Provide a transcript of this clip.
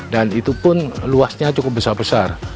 dan itu pun luasnya cukup besar besar